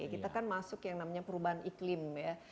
kita kan masuk yang namanya perubahan iklim ya